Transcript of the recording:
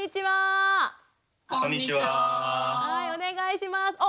はいお願いします。